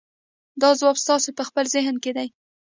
دا ځواب ستاسې په خپل ذهن کې دی.